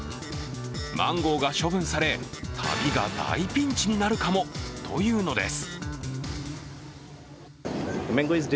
マンゴーが処分され、旅が大ピンチになるかもというのです。